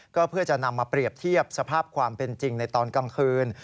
ก็เพื่อจะนำมาเปรียบเทียบสภาพความเป็นจริงในตอนกลางคืน